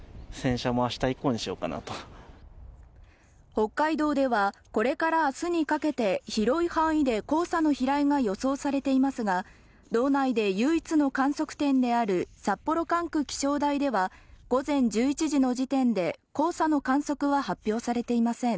北海道では、これから明日にかけて、広い範囲で黄砂の飛来が予想されていますが道内で唯一の観測点である札幌管区気象台では午前１１時の時点で黄砂の観測は発表されていません。